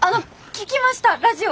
聴きましたラジオ！